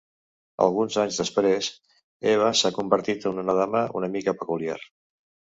Alguns anys després, Eva s'ha convertit en una dama una mica peculiar.